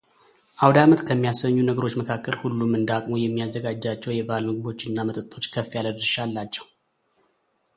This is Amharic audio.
ዓውዳመት ከሚያሰኙ ነገሮች መካከል ሁሉም እንደአቅሙ የሚዘጋጃቸው የበዓል ምግቦች እና መጠጦች ከፍ ያለ ድርሻ አላቸው።